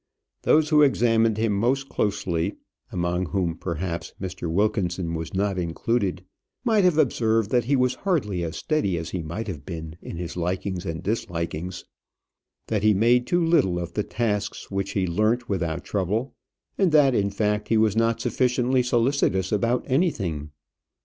Those who examined him most closely (among whom, perhaps, Mr. Wilkinson was not included) might have observed that he was hardly as steady as he might have been in his likings and dislikings; that he made too little of the tasks which he learnt without trouble; and that, in fact, he was not sufficiently solicitous about anything.